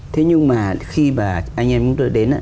thế nhưng mà khi mà anh em chúng tôi đến